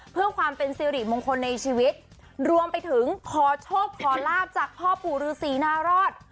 เพื่อความเป็นสิริมงคลในชีวิตรวมไปถึงขอโชคขอลาบจากพ่อปู่ฤษีนารอด